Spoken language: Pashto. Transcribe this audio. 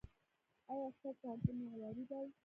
ایا ستاسو پوهنتون معیاري دی؟